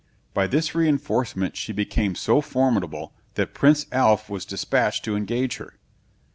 By this reinforcement she became so formidable, that Prince Alf was despatched to engage her.